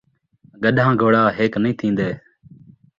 گݙان٘ہہ گھوڑا ہک نئیں تھین٘دے